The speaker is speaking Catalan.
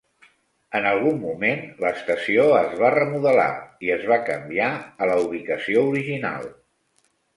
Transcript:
En algun moment, l'estació es va remodelar i es va canviar a la ubicació original.